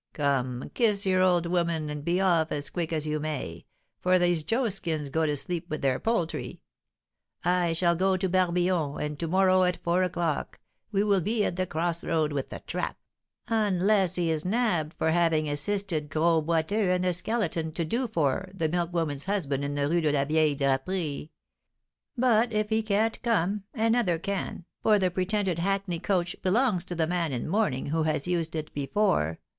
Come, kiss your old woman, and be off as quick as you may, for these joskins go to sleep with their poultry. I shall go to Barbillon; and to morrow, at four o'clock, we will be at the cross road with the 'trap,' unless he is nabbed for having assisted Gros Boiteux and the Skeleton to 'do for' the milk woman's husband in the Rue de la Vieille Draperie. But if he can't come, another can, for the pretended hackney coach belongs to the man in mourning who has used it before.